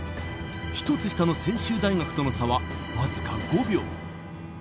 １つ下の専修大学との差は僅か５秒。